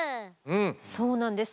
そうなんです。